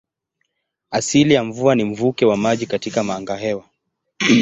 Asili ya mvua ni mvuke wa maji katika angahewa.